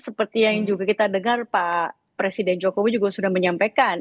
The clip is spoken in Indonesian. seperti yang juga kita dengar pak presiden jokowi juga sudah menyampaikan